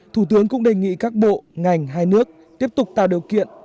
thủ tướng cũng đề nghị các bộ ngành hai nước tiếp tục tạo điều kiện